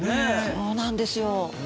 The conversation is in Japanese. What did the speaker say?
そうなんですよ。